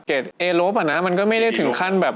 เอลบอ่ะนะมันก็ไม่ได้ถึงขั้นแบบ